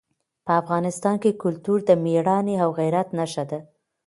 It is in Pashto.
په افغانستان کې کلتور د مېړانې او غیرت نښه ده.